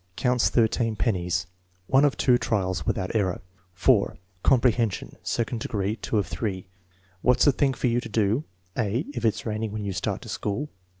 Counts 13 pennies. (1 of 2 trials, without error*) 4. Comprehension, 2d degree. (8 of 3.) "What's the thing for you to do": (a) "If it is raining when you start to school?"